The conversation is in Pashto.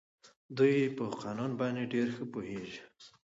دوی په قانون باندې ډېر ښه پوهېږي.